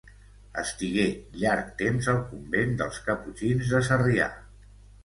Estigué llarg temps al convent dels caputxins de Sarrià.